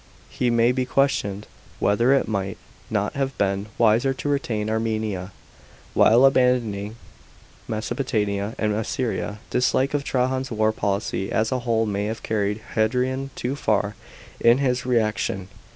It may be questioned whether it might not have been wiser to retain Armenia, while abandoning Mesopo tamia and Assyria. Dislike of Trajan's war policy as a whole may have carried Hadrian too far in his reaction.